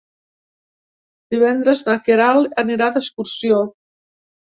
Divendres na Queralt anirà d'excursió.